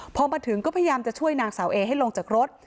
พอมาถึงก็พยายามจะช่วยนางสาวเอให้ลงจากรถ